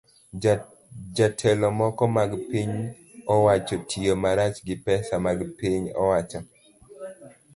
Jotelo moko mag piny owacho tiyo marach gi pesa mag piny owacho